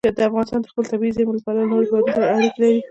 افغانستان د خپلو طبیعي زیرمو له پلوه له نورو هېوادونو سره اړیکې لري.